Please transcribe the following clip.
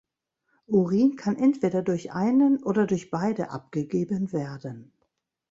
Urin kann entweder durch einen oder durch beide abgegeben werden.